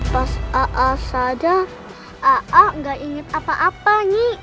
pas a'a sadar a'a gak inget apa apa nyi